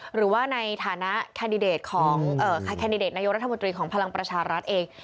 หรือว่าในฐานะแคนดิเดตของแคนดิเดตนายกรัฐมนตรีของพลังประชารัฐเอง